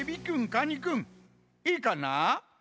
カニくんいいかな？